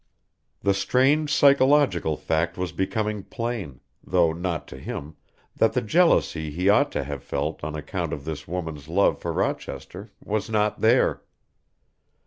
The strange psychological fact was becoming plain, though not to him, that the jealousy he ought to have felt on account of this woman's love for Rochester was not there.